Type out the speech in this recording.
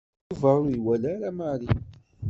Yuba ur iwala ara Mary.